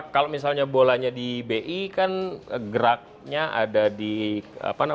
kalau misalnya bolanya di bi kan geraknya ada di apa namanya